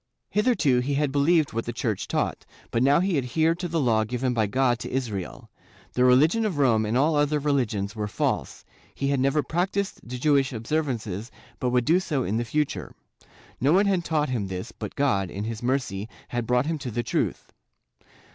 Hitherto he had believed what the Church taught, but now he adhered to the Law given by God to Israel; the religion of Rome and all other religions were false ; he had never practised the Jewish observances but would do so in the future; no one had taught him this, but God, in his mercy, had brought him to the truth.